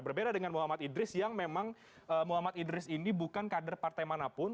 berbeda dengan muhammad idris yang memang muhammad idris ini bukan kader partai manapun